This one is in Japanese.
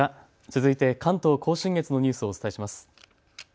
続いて関東甲信越のニュースをお伝えします。